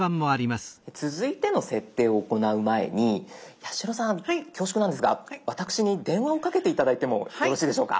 続いての設定を行う前に八代さん恐縮なんですが私に電話をかけて頂いてもよろしいでしょうか？